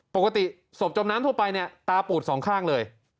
ปกติศพจมน้ำทั่วไปเนี่ยตาปูดสองข้างเลย